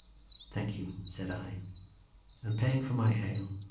"Thank you," said I; and paying for my ale.